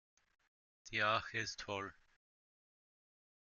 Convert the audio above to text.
Die Arche ist voll.